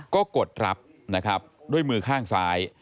ก็กดรับนะครับด้วยมือข้างซ้าย